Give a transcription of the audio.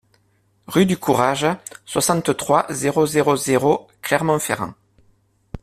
Rue du Courage, soixante-trois, zéro zéro zéro Clermont-Ferrand